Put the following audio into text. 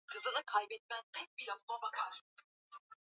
hakika afya ni mtaji wa kila kitu katika familia jamii na taifa kwa ujumla